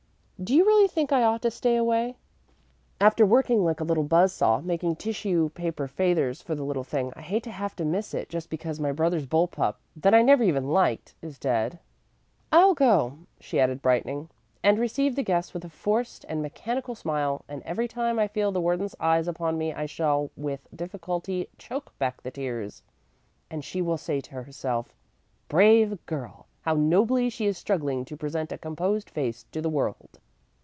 "Do you really think I ought to stay away? After working like a little buzz saw making tissue paper favors for the thing, I hate to have to miss it just because my brother's bull pup, that I never even liked, is dead. "I'll go," she added, brightening, "and receive the guests with a forced and mechanical smile; and every time I feel the warden's eyes upon me I shall with difficulty choke back the tears, and she will say to herself: "'Brave girl! How nobly she is struggling to present a composed face to the world!